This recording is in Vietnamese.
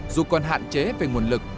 dù còn hạn chế về nguồn lực